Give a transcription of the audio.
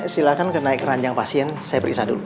silahkan kenaik ranjang pasien saya periksa dulu